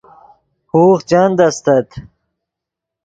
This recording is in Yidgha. ہوغ چند استت